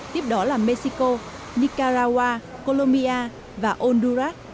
tiếp đó là mexico nicaragua colombia và honduras